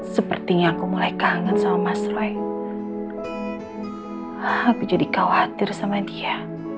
sepertinya aku mulai kangen sama mas roy aku jadi khawatir sama dia